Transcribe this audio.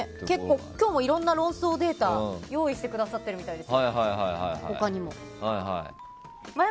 今日もいろんな論争データを用意してくださっているようです他にも。